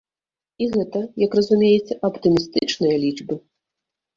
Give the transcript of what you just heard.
І гэта, як разумееце, аптымістычныя лічбы.